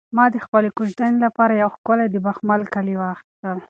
ما د خپلې کوژدنې لپاره یو ښکلی د بخمل کالي واخیستل.